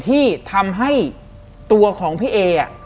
ที่ทำให้ตัวของพี่เอ